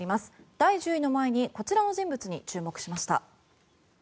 第１０位の前にこちらの人物に注目しました。